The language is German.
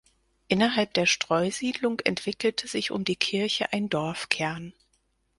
Innerhalb der Streusiedlung entwickelte sich um die Kirche ein Dorfkern.